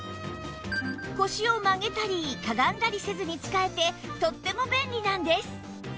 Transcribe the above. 腰を曲げたりかがんだりせずに使えてとっても便利なんです